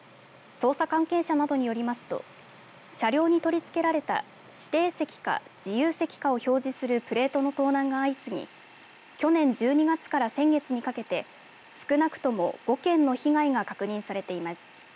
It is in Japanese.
捜査関係者などによりますと車両に取り付けられた指定席か自由席かを表示するプレートの盗難が相次ぎ去年１２月から先月にかけて少なくとも５件の被害が確認されています。